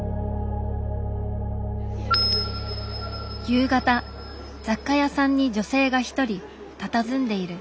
夕方雑貨屋さんに女性が一人たたずんでいる。